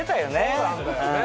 そうなんだよね。